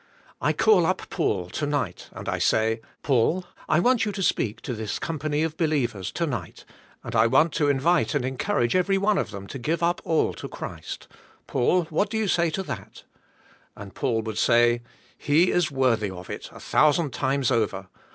I call up Paul, to night, and I say, *'Paul, I want you to speak so this company of believers, to nig ht, and I want to envite and encourage every one of them to give up all to Christ, Paul, what do you say to that?" And Paul would say, *'He is worthy of it, a thousand times over.